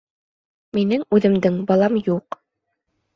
Минең үҙемдең балам юҡ.